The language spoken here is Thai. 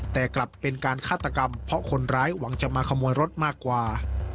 แต่กลับเป็นการฆาตกรรมเพราะคนร้ายหวังจะมาขโมยรถมากกว่า